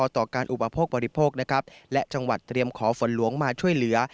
ต่อการอุปโภคบริโภคนะครับและจังหวัดเตรียมขอฝนหลวงมาช่วยเหลือ